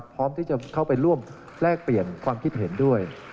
พร้อมที่จะเข้าไปร่วมแลกเปลี่ยนความคิดเห็นด้วย